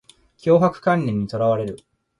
強迫観念にとらわれる